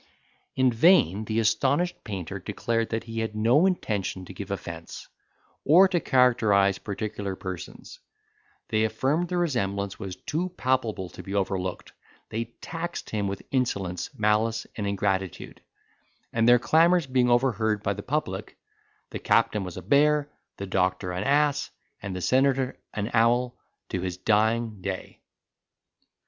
In vain the astonished painter declared that he had no intention to give offence, or to characterise particular persons: they affirmed the resemblance was too palpable to be overlooked; they taxed him with insolence, malice, and ingratitude; and their clamours being overheard by the public, the captain was a bear, the doctor an ass, and the senator an owl, to his dying day.